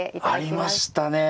ありましたね。